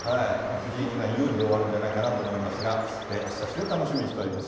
藤井二冠有利で終わるんじゃないかなと思いますが、あした、非常に楽しみにしております。